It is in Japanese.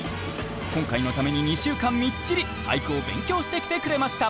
今回のために２週間みっちり俳句を勉強してきてくれました。